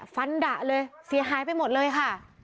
ดะเลยเสียหายไปหมดเลยค่ะ